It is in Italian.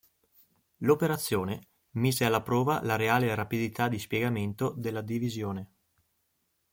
L'operazione mise alla prova la reale rapidità di spiegamento della divisione.